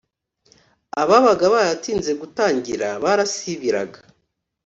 Ababaga baratinze gutangira barasibiraga